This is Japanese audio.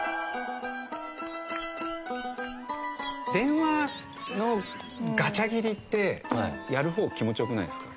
電話のガチャ切りってやる方気持ち良くないですか？